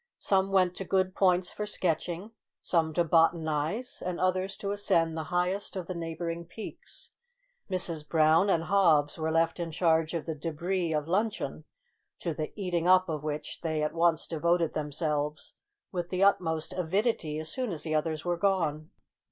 Some went to good points for sketching, some to botanise, and others to ascend the highest of the neighbouring peaks. Mrs Brown and Hobbs were left in charge of the debris of luncheon, to the eating up of which they at once devoted themselves with the utmost avidity as soon as the others were gone.